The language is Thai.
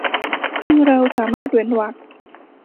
คือเราสามารถเว้นเวรรค